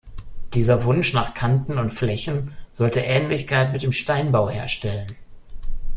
Dieser Wunsch nach Kanten und Flächen sollte Ähnlichkeit mit dem Steinbau herstellen.